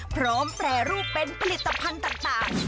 แปรรูปเป็นผลิตภัณฑ์ต่าง